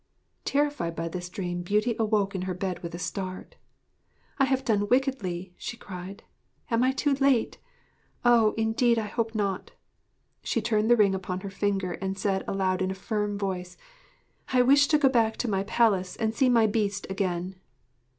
Terrified by this dream Beauty awoke in her bed with a start. 'I have done wickedly!' she cried. 'Am I too late? Oh, indeed I hope not!' She turned the ring upon her finger and said aloud in a firm voice: '_I wish to go back to my palace and see my Beast again!